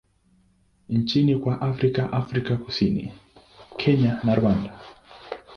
nchini kwa Afrika Afrika Kusini, Kenya na Rwanda.